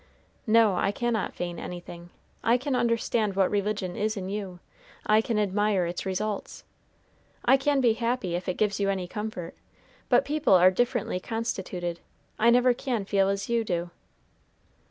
No, I cannot feign anything. I can understand what religion is in you, I can admire its results. I can be happy, if it gives you any comfort; but people are differently constituted. I never can feel as you do."